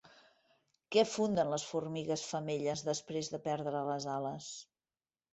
Què funden les formigues femelles després de perdre les ales?